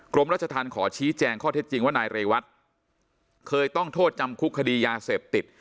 กรมราชธรรมขอชี้แจงข้อเท็จจริงว่านายเรวัตเคยต้องโทษจำคุกคดียาเสพติด